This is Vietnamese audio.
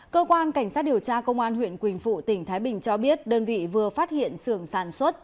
cơ quan cảnh sát điều tra công an huyện quỳnh phụ tỉnh thái bình cho biết đơn vị vừa phát hiện sưởng sản xuất